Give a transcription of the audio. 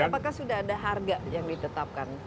apakah sudah ada harga yang ditetapkan